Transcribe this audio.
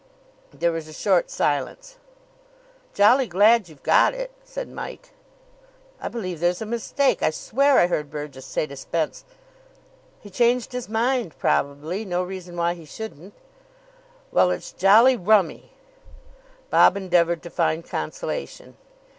There was a short silence. "Jolly glad you've got it," said Mike. "I believe there's a mistake. I swear I heard Burgess say to Spence " "He changed his mind probably. No reason why he shouldn't." "Well, it's jolly rummy." Bob endeavoured to find consolation.